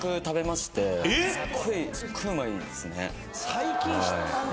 ・最近知ったんだ。